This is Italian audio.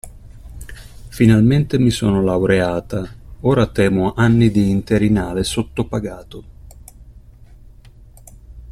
Finalmente mi sono laureata, ora temo anni di interinale sottopagato.